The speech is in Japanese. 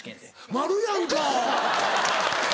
丸やんかぁ！